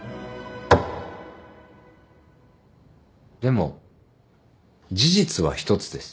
でも事実は１つです。